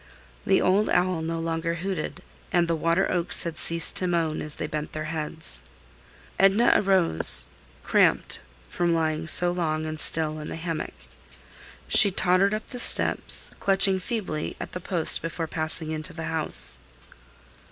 The old owl no longer hooted, and the water oaks had ceased to moan as they bent their heads. Edna arose, cramped from lying so long and still in the hammock. She tottered up the steps, clutching feebly at the post before passing into the house.